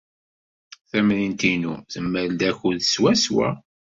Tamrint-inu temmal-d akud swaswa.